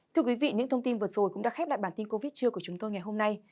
thưa quý vị những thông tin vừa rồi cũng đã khép lại bản tin covid trưa của chúng tôi ngày hôm nay